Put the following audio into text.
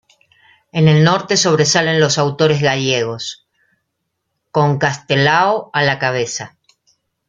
En el norte sobresalen los autores gallegos, con Castelao a la cabeza.